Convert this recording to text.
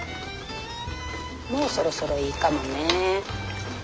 もうそろそろいいかもね。